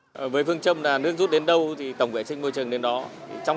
thực hiện phương châm bốn tại chỗ ban chỉ huyện trường mỹ đã nhanh chóng huy động cán bộ